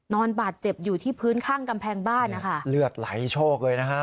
นอนบาดเจ็บอยู่ที่พื้นข้างกำแพงบ้านนะคะเลือดไหลโชคเลยนะฮะ